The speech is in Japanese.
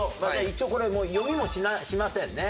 一応これ読みもしませんね。